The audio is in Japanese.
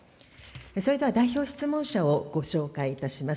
それでは代表質問者をご紹介いたします。